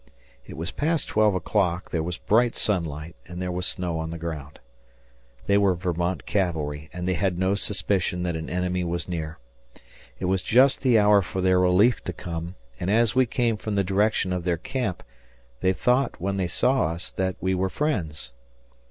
It was past twelve o'clock, there was bright sunlight, and there was snow on the ground. They were Vermont cavalry, and they had no suspicion that an enemy was near. It was just the hour for their relief to come, and as we came from the direction of their camp, they thought, when they saw us, that we were friends.